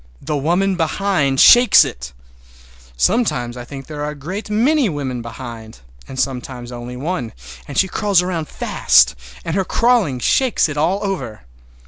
The woman behind shakes it! Sometimes I think there are a great many women behind, and sometimes only one, and she crawls around fast, and her crawling shakes it all over.